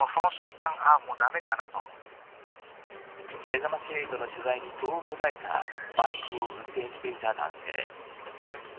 めざまし８の取材にそう答えたバイクを運転していた男性。